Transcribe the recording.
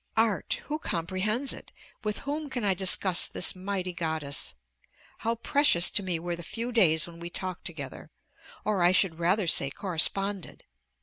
Art! who comprehends it? with whom can I discuss this mighty goddess? How precious to me were the few days when we talked together, or, I should rather say, corresponded!